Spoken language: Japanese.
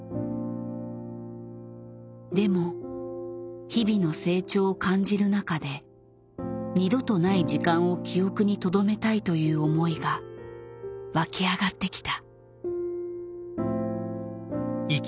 でも日々の成長を感じる中で二度とない時間を記憶にとどめたいという思いが湧き上がってきた。